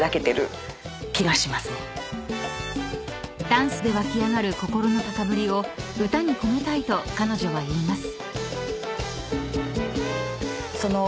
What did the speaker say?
［ダンスで湧き上がる心の高ぶりを歌に込めたいと彼女は言います］